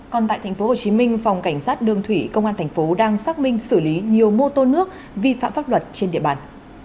còn tại tp hcm phòng cảnh sát đường thủy công an tp đang xác minh xử lý nhiều mô tô nước vi phạm pháp luật trên địa bàn